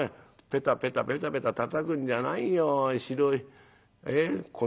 ペタペタペタペタたたくんじゃないよ白い粉を。